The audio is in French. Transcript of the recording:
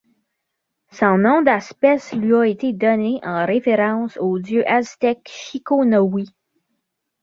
Son nom d'espèce lui a été donné en référence au dieu aztèque Chiconahui.